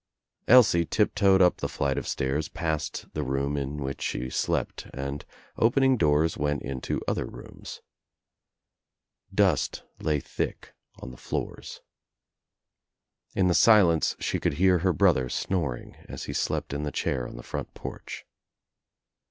» Elsie tip toed up the flight of stairs past the room in which she slept and opening doors went into other rooms. Dust lay thick on the floors. In the silence she could hear her brother snoring as he slept in the chair on the front porch.